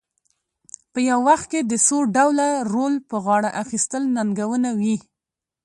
په یو وخت کې د څو ډوله رول په غاړه اخیستل ننګونه وي.